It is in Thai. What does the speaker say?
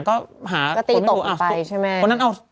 ก็ตีตกอีกไปใช่ไหมอ่ะสุดคนนั้นเอา